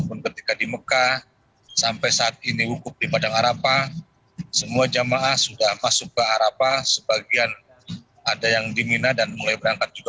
untuk banyak minum